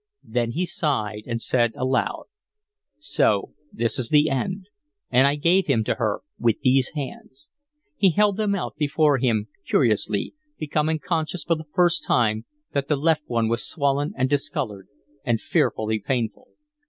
Then he sighed and said, aloud: "So this is the end, and I gave him to her with these hands" he held them out before him curiously, becoming conscious for the first time that the left one was swollen and discolored and fearfully painful.